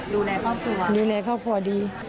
ดูแลครอบครัวดูแลครอบครัวดี